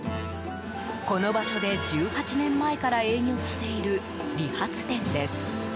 この場所で、１８年前から営業している理髪店です。